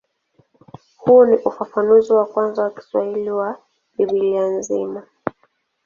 Huu ni ufafanuzi wa kwanza wa Kiswahili wa Biblia nzima.